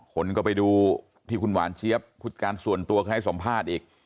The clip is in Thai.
คนก็ไปดูที่คุณหวานเชียบคุดการณ์ส่วนตัวให้สัมภาษณ์อีก